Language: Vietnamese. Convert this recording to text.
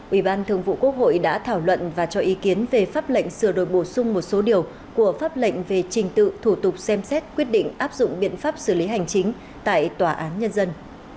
ủy ban thường vụ quốc hội đã thảo luận và cho ý kiến về pháp lệnh sửa đổi bổ sung một số điều của pháp lệnh về trình tự thủ tục xem xét quyết định áp dụng biện pháp xử lý hành chính tại tòa án nhân dân